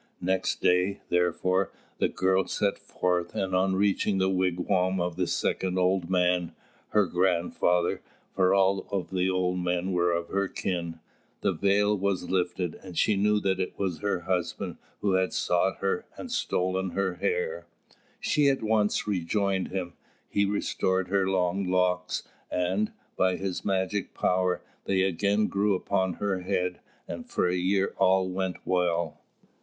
Next day, therefore, the girl set forth, and on reaching the wigwam of the second old man, her grandfather, for all of the old men were of her kin, the veil was lifted and she knew that it was her husband who had sought her and stolen her hair. She at once rejoined him; he restored her long locks, and, by his magic power, they again grew upon her head and for a year all went well.